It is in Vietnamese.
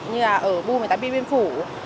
như là ở bù một mươi tám biên viên phủ